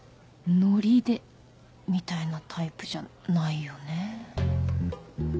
ノリでみたいなタイプじゃないよねぇ